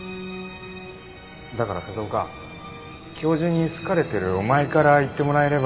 だから風丘教授に好かれてるお前から言ってもらえれば。